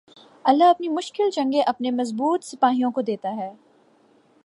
اللہ اپنی مشکل جنگیں اپنے مضبوط سپاہیوں کو دیتا ہے